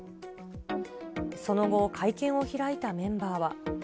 その後、会見を開いたメンバーは。